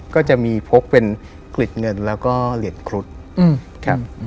ก็จะมีพกเป็นกลิดเงินแล้วก็เหรียญครุฑครับ